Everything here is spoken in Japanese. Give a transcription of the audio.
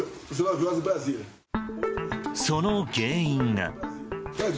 その原因が。